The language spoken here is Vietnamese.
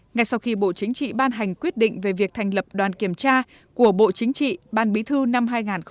ngay sau khi bộ chính trị ban hành quyết định về việc thành lập đoàn kiểm tra của bộ chính trị ban bí thư năm hai nghìn một mươi tám